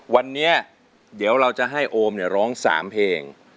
วันนี้เดี๋ยวเราจะให้โอมร้อง๓เพลง